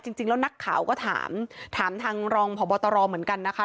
จริงแล้วนักข่าวก็ถามถามทางรองพบตรเหมือนกันนะคะ